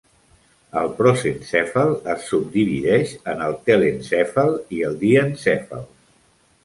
El prosencèfal es subdivideix en el telencèfal i el diencèfal.